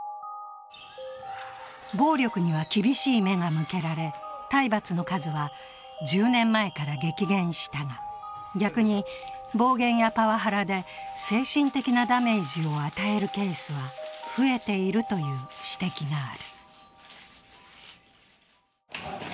暴力には厳しい目が向けられ、体罰の数は１０年前から激減したが、逆に、暴言やパワハラで精神的なダメージを与えるケースは増えているという指摘がある。